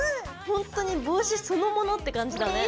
ほんとに帽子そのものって感じだね。